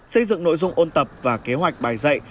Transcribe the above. xây dựng nội dung ôn tập và kế hoạch bài dạy